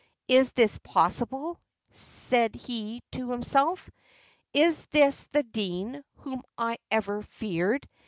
"Is this possible?" said he to himself. "Is this the dean, whom I ever feared?